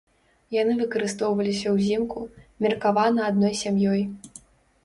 Яны выкарыстоўваліся ўзімку, меркавана адной сям'ёй.